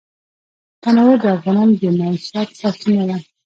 تنوع د افغانانو د معیشت سرچینه ده.